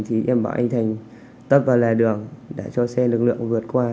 thì em bảo anh thành tấp vào lề đường để cho xe lực lượng vượt qua